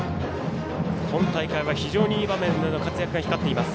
今大会は非常にいい場面での活躍が光っています。